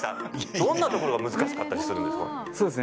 どんなところが難しかったりするんですか？